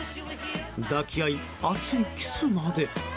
抱き合い、熱いキスまで。